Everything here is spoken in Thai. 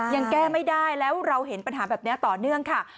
ยังแก้ไม่ได้แล้วเราเห็นปัญหาแบบนี้ต่อเนื่องค่ะ